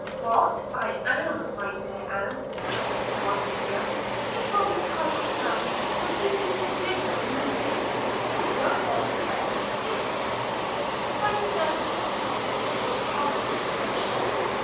'What I am, my dear aunt,' answered Monimia, 'it will be time enough for you to forbid my reading, but till then, pray don't be angry if I endeavour to obtain a little common instruction.'